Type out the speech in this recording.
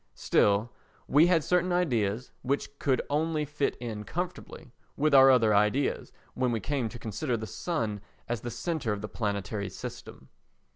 Still, we had certain ideas which could only fit in comfortably with our other ideas when we came to consider the sun as the centre of the planetary system.